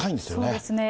そうですね。